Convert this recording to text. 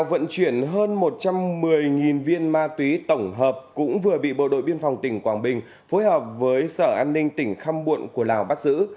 vận chuyển hơn một trăm một mươi viên ma túy tổng hợp cũng vừa bị bộ đội biên phòng tỉnh quảng bình phối hợp với sở an ninh tỉnh khăm muộn của lào bắt giữ